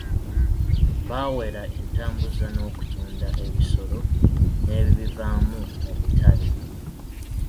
Baawera entambuza n'okutunda ebisolo n'ebibivaamu mu butale.